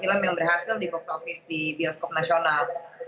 film yang berhasil di box office di bioskop nasional